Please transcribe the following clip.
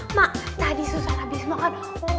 emak tadi susah abis makan